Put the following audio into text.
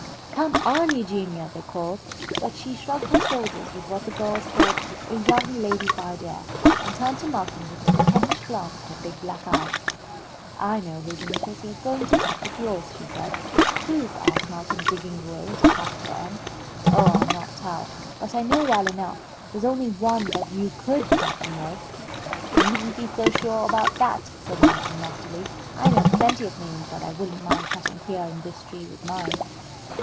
"Come on, Eugenia," they called, but she shrugged her shoulders with what the girls called a "young ladified air," and turned to Malcolm with a coquettish glance of her big black eyes. "I know whose initials you are going to cut with yours," she said. "Whose?" asked Malcolm, digging away at a capital M. "Oh, I'll not tell, but I know well enough. There's only one that you could cut, you know." "You needn't be so sure about that," said Malcolm, loftily. "I know plenty of names that I wouldn't mind cutting here in this tree with mine."